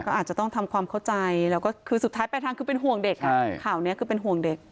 ก็อาจจะต้องทำความเข้าใจแล้วก็คือสุดท้ายไปทางคือเป็นห่วงเด็กข่าวนี้คือเป็นห่วงเด็ก